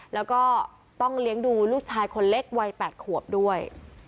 แล้วก็ต้องเลี้ยงดูลูกชายคนเล็กวัย๘ขวบด้วย